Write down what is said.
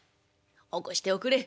起こしておくれ」。